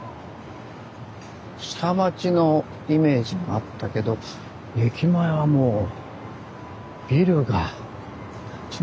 下町のイメージがあったけど駅前はもうビルが立ち並んでるな。